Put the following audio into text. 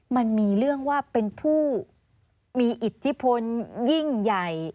มันมีเรื่องว่าเป็นผู้มีอิทธิพลยิ่งใหญ่